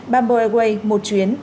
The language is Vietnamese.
bamboo airways một chuyến